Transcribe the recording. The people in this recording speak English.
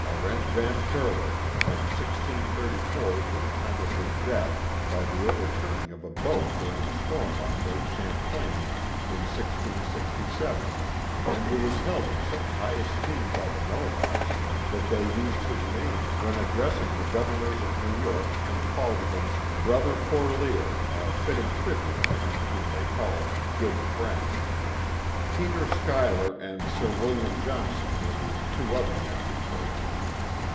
Arent Van Curler, from 1634 to the time of his death by the overturning of a boat during a storm on Lake Champlain in 1667, and who was held in such high esteem by the Mo hawks that they used his name when addressing the governors of New York and called them Brother Corlear," a fitting tribute to him whom they called '* good friend." Peter Schuyler and Sir William Johnson were the two other men referred to.